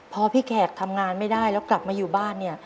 พอพี่แขกทำงานไม่ได้แล้วกลับมาอยู่บ้านเนี่ย